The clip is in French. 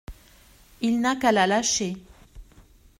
Il n’a qu’à la lâcher.